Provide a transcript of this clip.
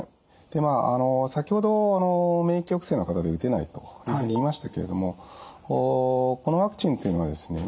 先ほど免疫抑制の方で打てないというふうに言いましたけれどもこのワクチンというのはですね